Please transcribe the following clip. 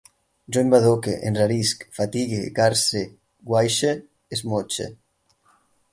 Jo embadoque, enrarisc, fatigue, garse, guaixe, esmotxe